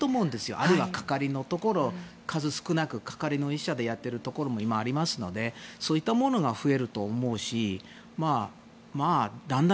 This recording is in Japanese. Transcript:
あるいはかかりのところ数少ないかかりの医者でやっているところも今、ありますのでそういったものが増えると思うしだんだん